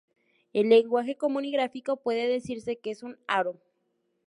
En lenguaje común y gráfico puede decirse que es un "aro".